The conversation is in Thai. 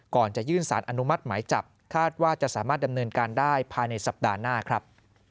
ก่อนจะยื่นสารอนุมัติหมายจับคาดว่าจะสามารถดำเนินการได้ภายในสัปดาห์หน้าครับ